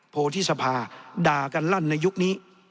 โพธิสภาด่ากันลั่นในยุคนี้